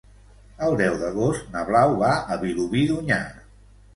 El deu d'agost na Blau va a Vilobí d'Onyar.